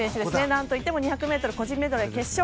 なんといっても男子２００ｍ個人メドレー決勝。